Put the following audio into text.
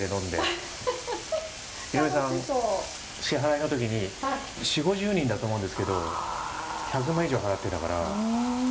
支払いの時に４０５０人だと思うんですけど１００万以上払ってたから。